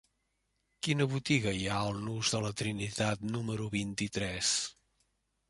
Quina botiga hi ha al nus de la Trinitat número vint-i-tres?